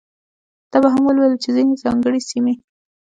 دا به هم ولولو چې ځینې ځانګړې سیمې.